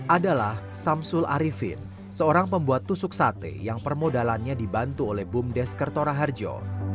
adalah samsul arifin seorang pembuat tusuk sate yang permodalannya dibantu oleh bumdes kertora harjo